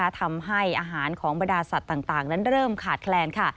ทำให้อาหารของบรรดาสัตว์ต่างนั้นเริ่มขาดแคลน